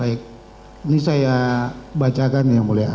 ini saya bacakan ya mulia